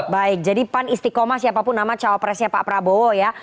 baik jadi pan istiqomah siapapun nama cawapresnya pak prabowo ya